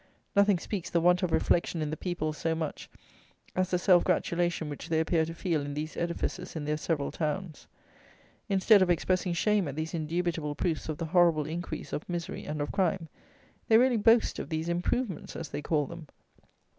Nothing speaks the want of reflection in the people so much as the self gratulation which they appear to feel in these edifices in their several towns. Instead of expressing shame at these indubitable proofs of the horrible increase of misery and of crime, they really boast of these "improvements," as they call them.